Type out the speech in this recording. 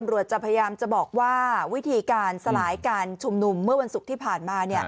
จะพยายามจะบอกว่าวิธีการสลายการชุมนุมเมื่อวันศุกร์ที่ผ่านมา